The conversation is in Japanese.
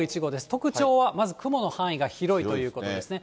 特徴はまず雲の範囲が広いということですね。